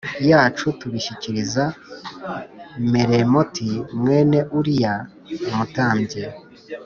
yacu tubishyikiriza Meremoti mwene Uriya umutambyi